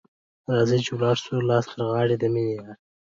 راځه چي ولاړ سو لاس تر غاړه ، د میني یاره